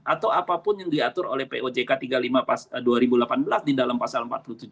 atau apapun yang diatur oleh pojk tiga puluh lima dua ribu delapan belas di dalam pasal empat puluh tujuh